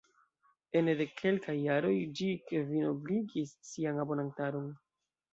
Ene de kelkaj jaroj ĝi kvinobligis sian abonantaron.